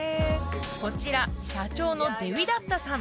こちら社長のデウィダッタさん